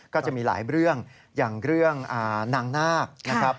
ก็จะมีหลายเรื่องอย่างเรื่องนางนาคนะครับ